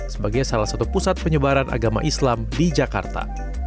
sebagai salah satu pusat penyebaran agama islam di jakarta